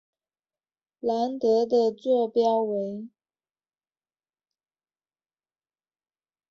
兰德的座标为。